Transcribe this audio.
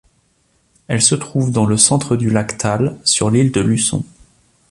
Elle se trouve dans le centre du lac Taal, sur l'île de Luçon.